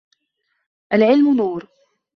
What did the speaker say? العلم نور